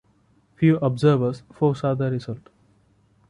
Few observers foresaw the result.